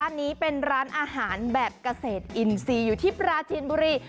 นี้เป็นร้านอาหารแบบเกษตรอินทรีย์อยู่ที่ปราจีนบุรี